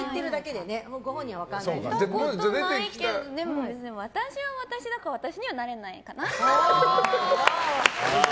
見たことないけど私は私だから私にはなれないかな。